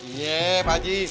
iya pak ji